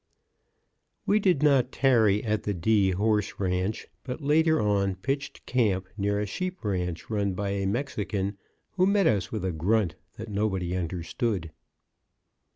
_ We did not tarry at the D. Horse Ranch, but later on pitched camp near a sheep ranch run by a Mexican, who met us with a grunt that nobody understood.